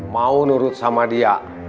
mau nurut sama dia